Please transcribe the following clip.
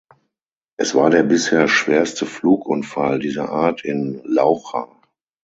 Es war der bisher schwerste Flugunfall dieser Art in Laucha.